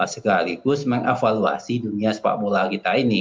segera gera meng evaluasi dunia sepak bola kita ini